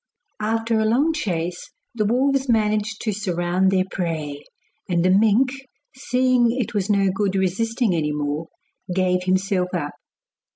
After a long chase the wolves managed to surround their prey, and the mink, seeing it was no good resisting any more, gave himself up.